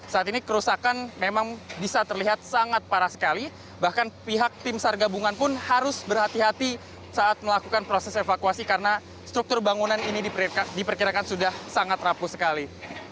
saat ini kerusakan memang bisa terlihat sangat parah sekali bahkan pihak tim sargabungan pun harus berhati hati saat melakukan proses evakuasi karena struktur bangunan ini diperkirakan sudah sangat rapuh sekali